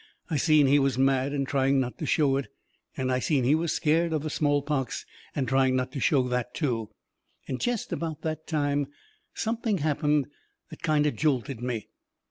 I seen he was mad and trying not to show it, and I seen he was scared of the smallpox and trying not to show that, too. And jest about that time something happened that kind o' jolted me.